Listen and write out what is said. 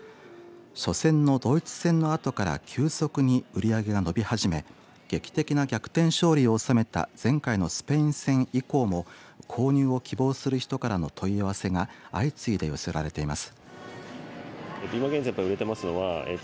初戦のドイツ戦のあとから急速に売り上げが伸び始め劇的な逆転勝利を収めた前回のスペイン戦以降も購入を希望する人からの問い合わせが相次いで寄せられています。